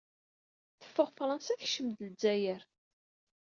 Teffeɣ Fṛansa, tekcem-d Zzayer.